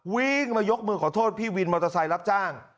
วิ่งมายกมือขอโทษพี่วินมอเตอร์ไซค์รับจ้าง